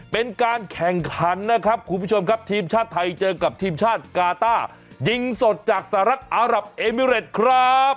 เป็นการแข่งขันนะครับคุณผู้ชมครับทีมชาติไทยเจอกับทีมชาติกาต้ายิงสดจากสหรัฐอารับเอมิเรตครับ